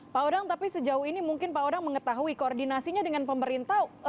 pak odang tapi sejauh ini mungkin pak odang mengetahui koordinasinya dengan pemerintah